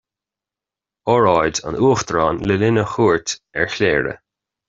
Óráid an Uachtaráin Le linn a chuairt ar Chléire